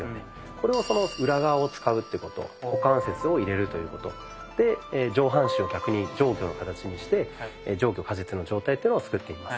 これを裏側を使うってこと股関節を入れるということで上半身を逆に上虚の形にして上虚下実の状態っていうのを作っていきます。